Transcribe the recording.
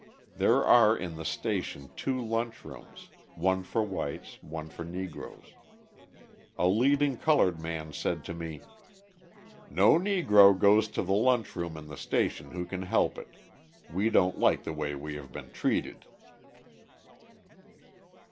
There are in the station two lunch rooms, one for whites, one for Negroes. A leading coloured man said to me: "No Negro goes to the lunch room in the station who can help it. We don't like the way we have been treated."